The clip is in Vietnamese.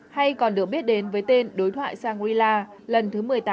hay còn được biết đến với tên đối thoại shangri la lần thứ một mươi tám